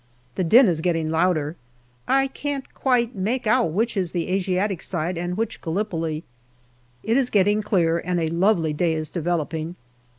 The din is getting louder. I can't quite make out which is the Asiatic side and which Gallipoli. It is getting clearer and a lovely day is developing.